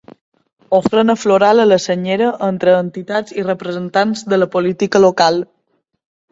Ofrena floral a la senyera entre entitats i representants de la política local.